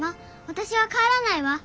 私は帰らないわ。